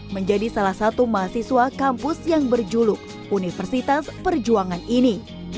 menjadi salah satu mahasiswa kampus yang berjuluk universitas perjuangan ini